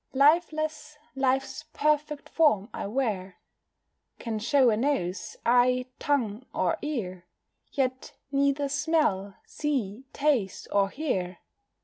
Lifeless, life's perfect form I wear, Can show a nose, eye, tongue, or ear, Yet neither smell, see, taste, or hear.